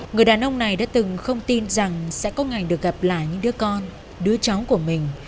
người đàn ông này đã từng không tin rằng sẽ có ngày được gặp lại những đứa con đứa cháu của mình